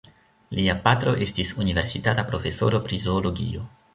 Lia patro estis universitata profesoro pri Zoologio.